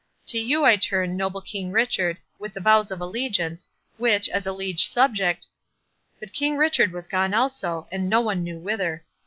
—To you I turn, noble King Richard, with the vows of allegiance, which, as a liege subject—" But King Richard was gone also, and no one knew whither.